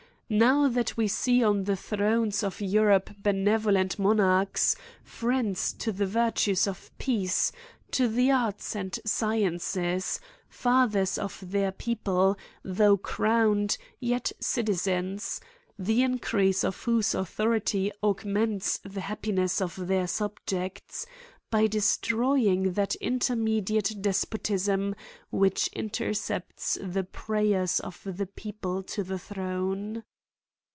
now that we see on the thrones dOS ^ ANf ESSAY ON of Europe benevolent monarchs, friends to the virtues of peace, to the arts and sciences, fathers of their people, though crowned, yet citizens; the increase of whose authority augments the happi ness of their subjects, by destroying that inter mediate despotism which intercepts the prayers of the people to the throne.